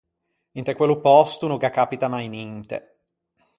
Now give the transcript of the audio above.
Inte quello pòsto no gh’accapita mai ninte.